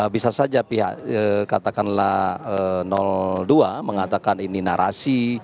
bisa saja pihak katakanlah dua mengatakan ini narasi